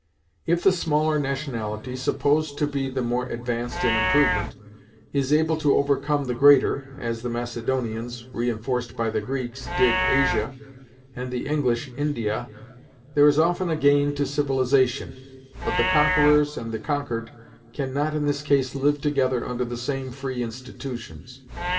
If the smaller nationality, supposed to be the more advanced in improvement, is able to overcome the greater, as the Macedonians, re enforced by the Greeks, did Asia, and the English India, there is often a gain to civilization, but the conquerors and the conquered can not in this case live together under the same free institutions.